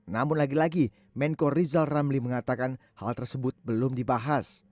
namun lagi lagi menko rizal ramli mengatakan hal tersebut belum dibahas